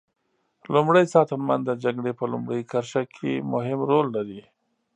لومری ساتنمن د جګړې په لومړۍ کرښه کې مهم رول لري.